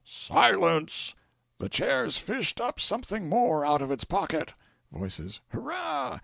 "Silence! The Chair's fished up something more out of its pocket." Voices. "Hurrah!